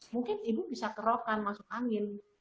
mungkin ibu bisa kerokan masuk angin